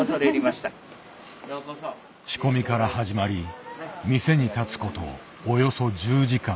仕込みから始まり店に立つことおよそ１０時間。